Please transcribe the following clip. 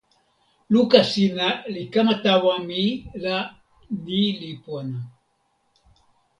luka sina li kama tawa mi la ni li pona.